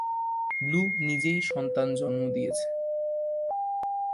Blue নিজেই সন্তান জন্ম দিয়েছে।